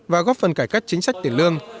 và góp phần cải cách chính sách tiền lương